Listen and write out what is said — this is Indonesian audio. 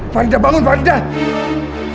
faridah bangun faridah